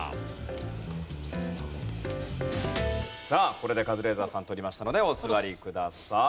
これでカズレーザーさん取りましたのでお座りください。